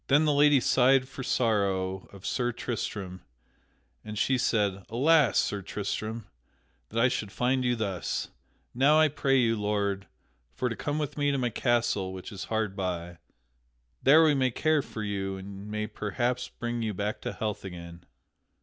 Then the lady sighed for sorrow of Sir Tristram, and she said: "Alas, Sir Tristram, that I should find you thus! Now I pray you, lord, for to come with me to my castle which is hard by. There we may care for you and may perhaps bring you back to health again."